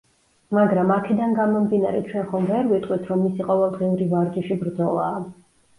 მაგრამ აქედან გამომდინარე ჩვენ ხომ ვერ ვიტყვით რომ მისი ყოველდღიური ვარჯიში ბრძოლაა.